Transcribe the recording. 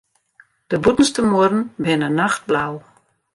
De bûtenste muorren binne nachtblau.